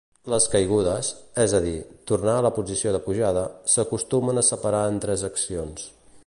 Les "caigudes", és a dir, tornar a la posició de pujada, s'acostumen a separar en tres accions.